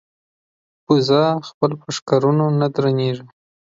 بزه خپل په ښکرو نه درنېږي.